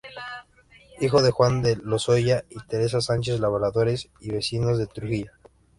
Hijo de Juan de Lozoya y Teresa Sánchez, labradores y vecinos de Trujillo.